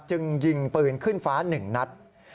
จึงยิงปืนขึ้นฟ้าหนึ่งนัด